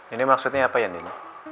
ini maksudnya apa ya ini